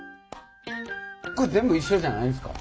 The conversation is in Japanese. これ全部一緒じゃないんすか？